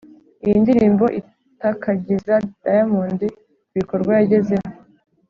iyi ndirimbo itakagiza diamond ku bikorwa yagezeho